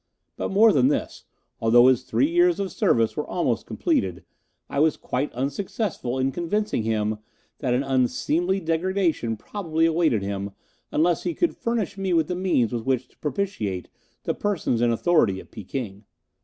But more than this, although his three years of service were almost completed, I was quite unsuccessful in convincing him that an unseemly degradation probably awaited him unless he could furnish me with the means with which to propitiate the persons in authority at Peking.